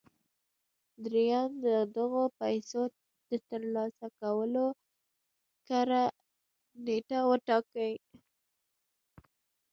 درېيم د دغو پيسو د ترلاسه کولو کره نېټه وټاکئ.